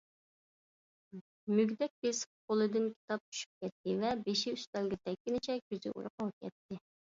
مۈگدەك بېسىپ قولىدىن كىتاب چۈشۈپ كەتتى ۋە بېشى ئۈستەلگە تەگكىنىچە كۆزى ئۇيقۇغا كەتتى.